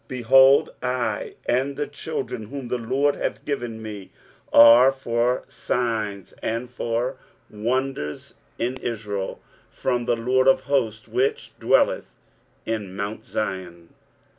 23:008:018 Behold, I and the children whom the LORD hath given me are for signs and for wonders in Israel from the LORD of hosts, which dwelleth in mount Zion.